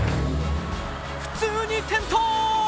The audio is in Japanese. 普通に転倒！